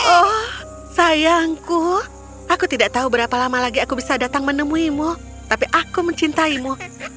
oh sayangku aku tidak tahu berapa lama lagi aku bisa datang menemuimu tapi aku mencintaimu